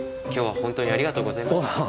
今日はホントにありがとうございました。